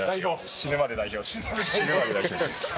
死ぬまで代表です。